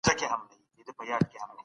نه دې لړۍ كي ګرانـي!